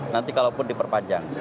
nanti kalau pun diperpanjang